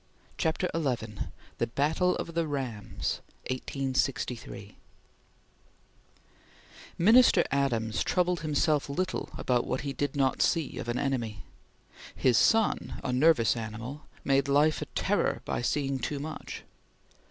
CHAPTER XI THE BATTLE OF THE RAMS (1863) MINISTER ADAMS troubled himself little about what he did not see of an enemy. His son, a nervous animal, made life a terror by seeing too much.